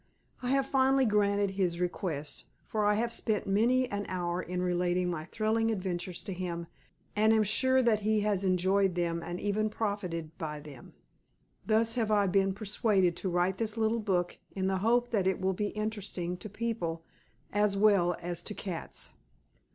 I have finally granted his request, for I have spent many an hour in relating my thrilling adventures to him and am sure that he has enjoyed them and even profited by them. Thus have I been persuaded to write this little book in the hope that it will be interesting to people as well as to cats.